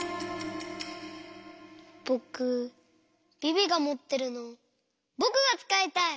ぼくビビがもってるのぼくがつかいたい！